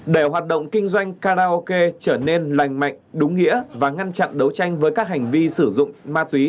để hoạt động kinh doanh karaoke trở nên lành mạnh đúng nghĩa và ngăn chặn đấu tranh với các hành vi sử dụng ma túy